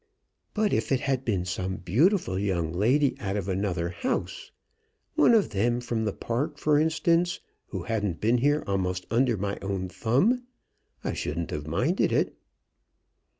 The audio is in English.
"But if it had been some beautiful young lady out of another house, one of them from the Park, for instance, who hadn't been here a'most under my own thumb, I shouldn't 've minded it."